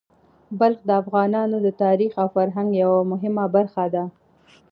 بلخ د افغانانو د تاریخ او فرهنګ یوه مهمه برخه ده.